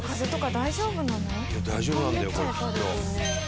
大丈夫なんだよこれきっと。